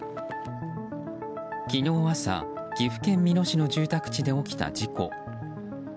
昨日朝、岐阜県美濃市の住宅地で起きた事故。